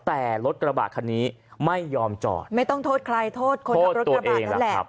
แต่รถกระบะคันนี้ไม่ยอมจอดไม่ต้องโทษใครโทษคนขับรถกระบะนั่นแหละ